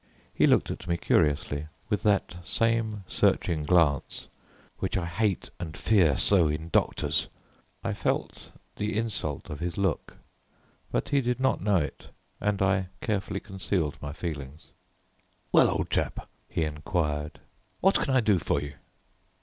He looked at me curiously, with that same searching glance which I hate and fear so in doctors. I felt the insult of his look, but he did not know it, and I carefully concealed my feelings. "Well, old chap," he inquired, "what can I do for you?"